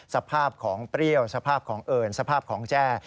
สภาพของเปรี้ยวสภาพของเอิญสภาพของแจ้